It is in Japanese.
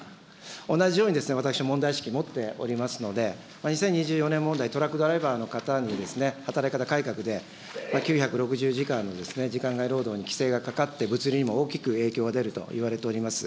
同じように私、問題意識持っておりますので、２０２４年問題、トラックドライバーの方に働き方改革で、９６０時間の時間外労働に規制がかかって、物流にも大きく影響が出るといわれております。